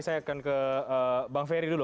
saya akan ke bang ferry dulu